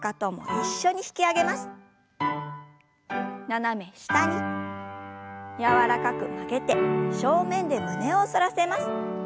斜め下に柔らかく曲げて正面で胸を反らせます。